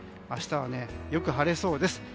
明日はよく晴れそうです。